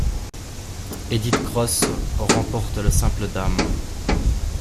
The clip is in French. Edith Cross remporte le simple dames.